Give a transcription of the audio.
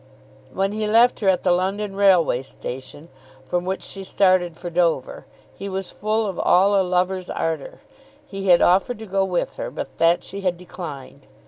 When he left her at the London railway station, from which she started for Dover, he was full of all a lover's ardour. He had offered to go with her, but that she had declined.